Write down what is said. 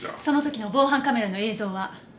その時の防犯カメラの映像は？